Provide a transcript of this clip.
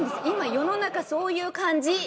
今世の中そういう感じ！